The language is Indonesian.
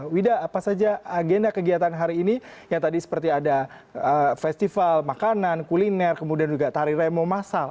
wida apa saja agenda kegiatan hari ini yang tadi seperti ada festival makanan kuliner kemudian juga tari remo masal